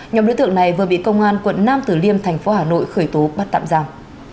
nhóm đối tượng này vừa bị công an quận nam tử liêm thành phố hà nội khởi tố bắt tạm giam